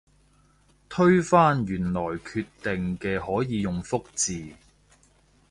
推翻原來決定嘅可以用覆字